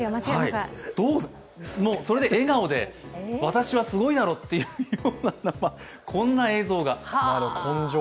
それで笑顔で、私はすごいだろうというような、こんな映像が。